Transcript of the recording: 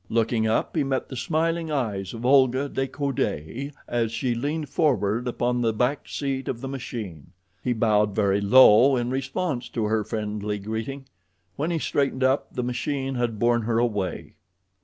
Looking up, he met the smiling eyes of Olga de Coude as she leaned forward upon the back seat of the machine. He bowed very low in response to her friendly greeting. When he straightened up the machine had borne her away.